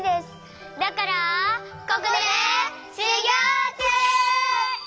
ここでしゅぎょうちゅう！